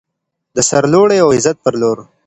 د سرلوړۍ او عزت په لور.